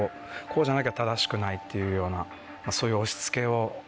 こうじゃなきゃ正しくないっていうようなそういう。